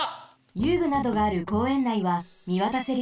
ゆうぐなどがあるこうえんないはみわたせるよう